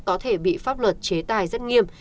có thể bị pháp luật chế tài rất nghiêm